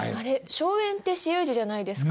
荘園って私有地じゃないですか？